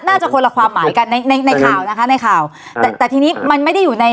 น่าจะคนละความหมายกันในในในข่าวนะคะในข่าวแต่แต่ทีนี้มันไม่ได้อยู่ใน